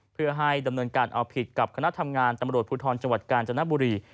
เพื่อให้ดำเนินการเอาผิดกับคณะทำงานตำรวจภูทรจังหวัดกาญจนบุรี